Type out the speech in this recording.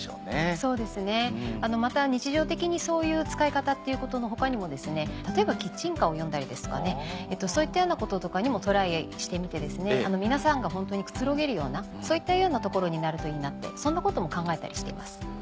そうですねまた日常的にそういう使い方の他にも例えばキッチンカーを呼んだりですとかそういったようなこととかにもトライしてみて皆さんが本当にくつろげるようなそういったような所になるといいなってそんなことも考えたりしています。